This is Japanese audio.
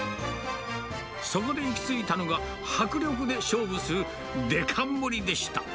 そこで行き着いたのが、迫力で勝負するデカ盛りでした。